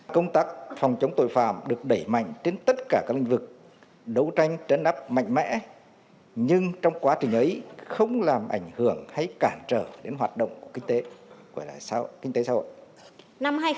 công tác phòng chống tội phạm được đẩy mạnh trên tất cả các lĩnh vực đấu tranh chấn áp mạnh mẽ nhưng trong quá trình ấy không làm ảnh hưởng hay cản trở đến hoạt động của kinh tế gọi là kinh tế xã hội